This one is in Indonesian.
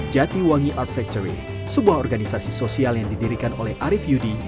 jatiwangi art factory sebuah organisasi sosial yang didirikan oleh arief yudi